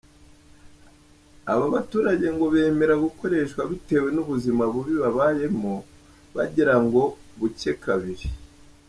Aba baturage ngo bemera gukoreshwa bitewe n’ubuzima bubi babayemo bagira ngo bucye kabiri.